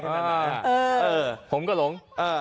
คุณตำรวจคุณหลงก็หลง